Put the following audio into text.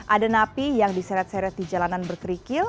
ada napi yang diseret seret di jalanan berkerikil